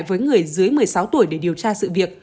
với người dưới một mươi sáu tuổi để điều tra sự việc